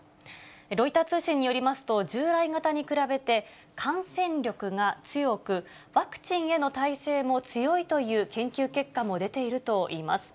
ロイター通信によりますと、従来型に比べて、感染力が強く、ワクチンへの耐性も強いという研究結果も出ているといいます。